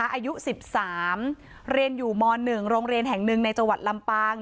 อายุ๑๓เรียนอยู่ม๑โรงเรียนแห่งหนึ่งในจังหวัดลำปาง